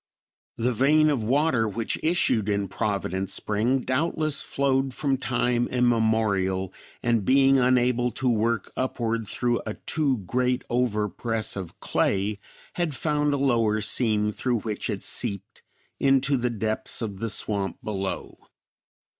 The vein of water which issued in Providence Spring doubtless flowed from time immemorial, and being unable to work upward through a too great overpress of clay, had found a lower seam through which it seeped into the depths of the swamp below.